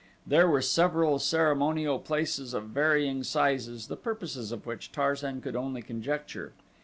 There were several ceremonial places of varying sizes, the purposes of which Tarzan could only conjecture.